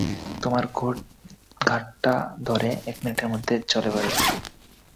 তোমার ঘারটা ধরে এক মিনিটের মধ্যে জেলে ভরে দিবো।